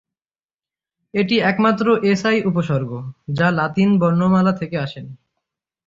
এটি একমাত্র এসআই উপসর্গ যা লাতিন বর্ণমালা থেকে আসে নি।